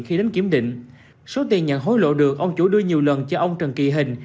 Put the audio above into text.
khi đến kiểm định số tiền nhận hối lộ được ông chủ đưa nhiều lần cho ông trần kỳ hình